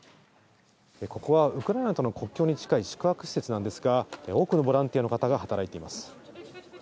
ここはウクライナとの国境に近い宿泊施設なんですが、多くのボランティアの方が働いています。